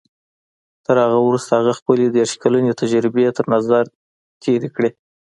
تر هغه وروسته هغه خپلې دېرش کلنې تجربې تر نظر تېرې کړې.